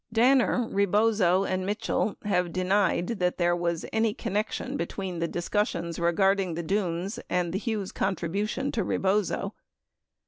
Danner, Rebozo, and Mitchell have denied that there was any connection between the discussions regarding the Dunes and the Hughes contribution to Rebozo.